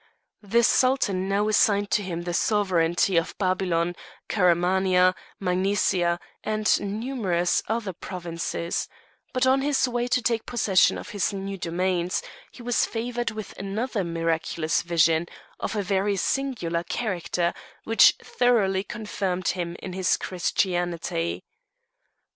The Sultan now assigned to him the sovereignty of Babylon, Caramania, Magnesia, and numerous other provinces; but on his way to take possession of his new domains he was favoured with another miraculous vision, of a very singular character, which thoroughly confirmed him in his Christianity.